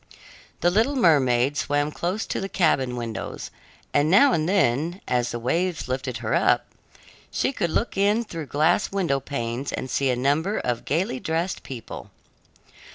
The little mermaid swam close to the cabin windows, and now and then, as the waves lifted her up, she could look in through glass window panes and see a number of gayly dressed people.